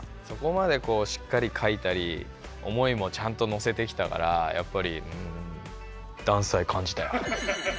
そこまでこうしっかりかいたり思いもちゃんとのせてきたからやっぱりうんダンス愛感じたよ。